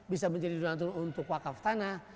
bisa menjadi donatur untuk wakaf tanah